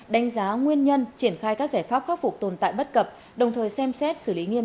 đánh giá nguyên nhân triển khai các giải pháp khắc phục tồn tại bất cập đồng thời xem xét xử lý nghiêm